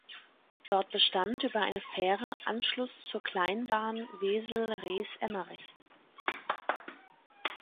Dort bestand über eine Fähre Anschluss zur Kleinbahn Wesel–Rees–Emmerich.